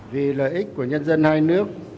vì lợi ích của nhân dân hai nước